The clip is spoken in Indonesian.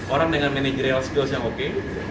orang dengan manajerial skills yang oke